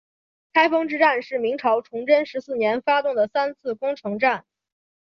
开封之战是明朝崇祯十四年发动的三次攻城战。